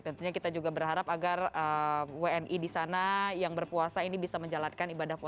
tentunya kita juga berharap agar wni di sana yang berpuasa ini bisa menjalankan ibadah puasa